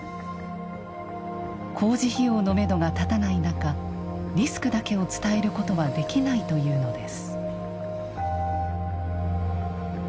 工事費用のめどが立たない中リスクだけを伝えることはできないというのです。